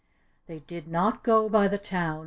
"They did not go by the town.